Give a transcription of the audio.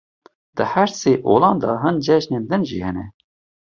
Di her sê olan de hin cejnên din jî hene.